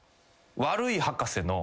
悪い博士のこれ。